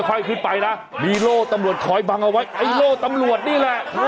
ค่อยขึ้นไปนะมีโล่ตำรวจคอยบังเอาไว้ไอ้โล่ตำรวจนี่แหละ